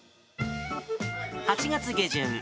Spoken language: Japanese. ８月下旬。